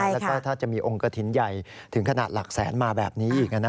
แล้วก็ถ้าจะมีองค์กระถิ่นใหญ่ถึงขนาดหลักแสนมาแบบนี้อีก